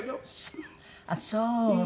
ああそう。